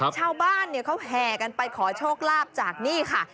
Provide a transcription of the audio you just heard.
ชาวบ้านเขาแห่กันไปขอโชคลาภจากนี่ค่ะ